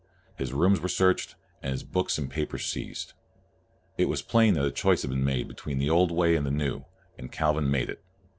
His rooms were searched, and his books and papers seized. It was plain that a choice must be made between the old way and the new, and Calvin made it.